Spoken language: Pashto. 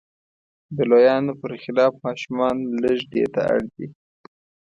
د لویانو پر خلاف ماشومان لږ دې ته اړ دي.